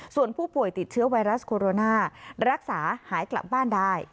ส่วนผู้ป่วยติดเชื้อไวรัสโคโรนารักษาหายกลับบ้านได้